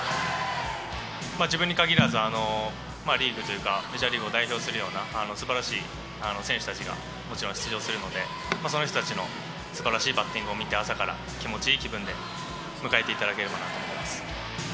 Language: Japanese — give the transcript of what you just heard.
自分にかぎらず、リーグというか、メジャーリーグを代表するようなすばらしい選手たちがもちろん出場するので、その人たちのすばらしいバッティングを見て、朝から気持ちいい気分で迎えていただければなと思います。